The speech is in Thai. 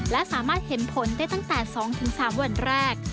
และสามารถเห็นผลได้ตั้งแต่๒๓วันแรก